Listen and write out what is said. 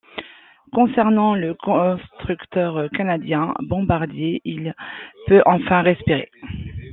Concernant le constructeur canadien, Bombardier, il peut enfin respirer.